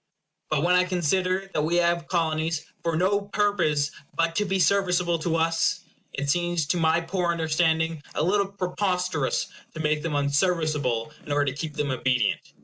But when I consider that we have Colonies for no purpose but to be serviceable to us, it seems to my poor understanding a little preposterous to make them unserviceable in order to keep them obedient.